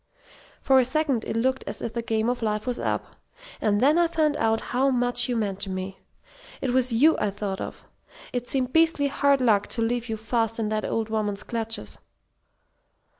"For a second it looked as if the game of life was up. And then I found out how much you meant to me. It was you I thought of. It seemed beastly hard luck to leave you fast in that old woman's clutches!"